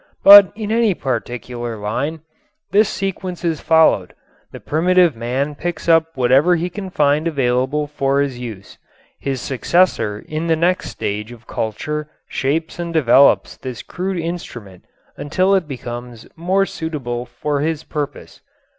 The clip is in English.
But in any particular line this sequence is followed. The primitive man picks up whatever he can find available for his use. His successor in the next stage of culture shapes and develops this crude instrument until it becomes more suitable for his purpose.